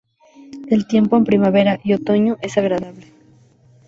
El tiempo en primavera y otoño es agradable.